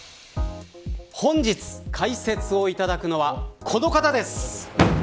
本日、解説をいただくのはこの方です。